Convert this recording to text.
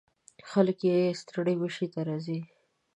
خلک یې ستړي مشي ته راځي.